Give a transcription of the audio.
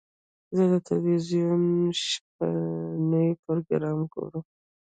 زه د تلویزیون شپهني پروګرام ګورم.